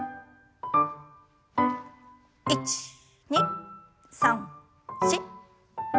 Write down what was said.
１２３４。